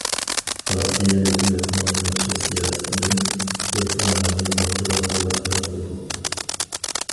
پارتىيە، ھۆكۈمەتنىڭ ياخشى سىياسىتىدىن دېھقانلارنى ۋاقتىدا خەۋەردار قىلدۇق.